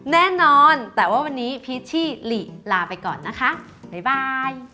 แน่นอนแต่ว่าวันนี้พีชชี่หลีลาไปก่อนนะคะบ่าย